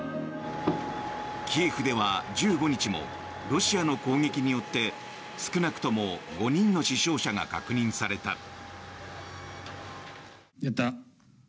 キエフでは１５日もロシアの攻撃によって少なくとも５人の死傷者が確認された。